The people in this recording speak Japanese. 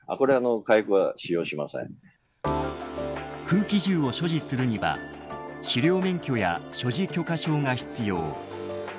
空気銃を所持するには狩猟免許や所持許可証が必要。